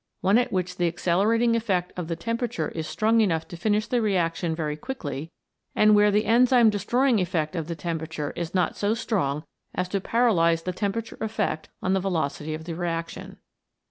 one at which the accelerating effect of the temperature is strong enough to finish the reaction very quickly, and where the enzyme destroying effect of the tem perature is not so strong as to paralyse the tem perature effect on the velocity of the reaction.